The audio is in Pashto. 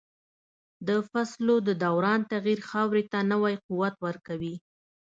د فصلو د دوران تغییر خاورې ته نوی قوت ورکوي.